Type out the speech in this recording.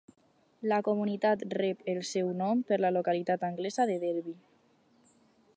La comunitat rep el seu nom per la localitat anglesa de Derby.